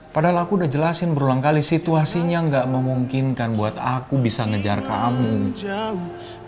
padahal aku udah jelasin berulang kali situasinya gak memungkinkan buat aku bisa ngejar kamu jago